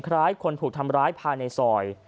คล้ายคนถูกทำร้ายภายในซอย